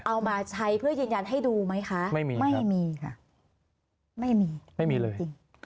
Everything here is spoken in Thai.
เอามาใช้เพื่อยืนยันให้ดูไหมคะไม่มีไม่มีค่ะไม่มีไม่มีเลยจริง